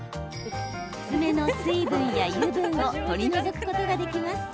爪の水分や油分を取り除くことができます。